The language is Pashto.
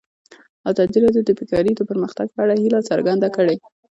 ازادي راډیو د بیکاري د پرمختګ په اړه هیله څرګنده کړې.